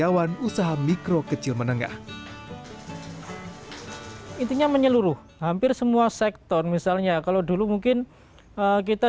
apakah penyidap meglioah dari perusahaan yang ditutup menengah dengan rasa berani untuk menangkap penyisha